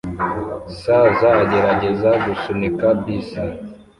saza agerageza gusunika bisi